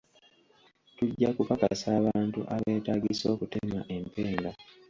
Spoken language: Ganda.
Tujja kupakasa abantu abeetaagisa okutema empenda